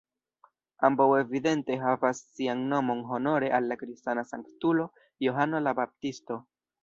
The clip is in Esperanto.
Ambaŭ evidente havas sian nomon honore al la kristana sanktulo Johano la Baptisto.